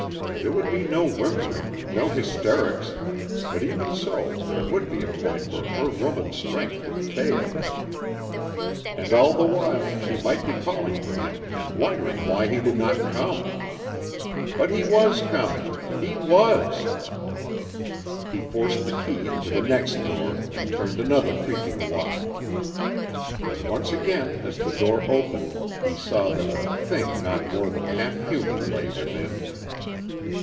There would be no whimpering, no hysterics, but even so there would be a point where her woman's strength would fail. And all the while she might be calling for him and wondering why he did not come. But he was coming, he was! He forced the key into the next door and turned another creaking lock. And once again as the door opened he saw that a thing not more than half human lay within.